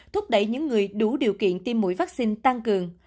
thúc đẩy những người đủ điều kiện tiêm mũi vaccine tăng cường